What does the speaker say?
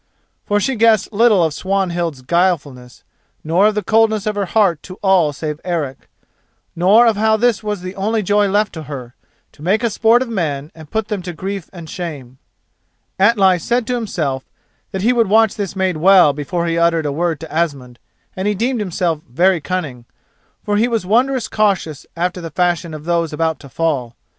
For she guessed little of Swanhild's guilefulness, nor of the coldness of her heart to all save Eric; nor of how this was the only joy left to her: to make a sport of men and put them to grief and shame. Atli said to himself that he would watch this maid well before he uttered a word to Asmund, and he deemed himself very cunning, for he was wondrous cautious after the fashion of those about to fall.